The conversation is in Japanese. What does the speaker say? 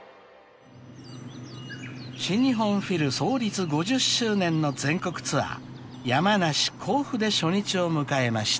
［新日本フィル創立５０周年の全国ツアー山梨甲府で初日を迎えました］